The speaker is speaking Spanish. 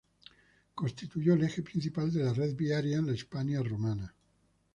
Constituyó el eje principal de la red viaria en la Hispania romana.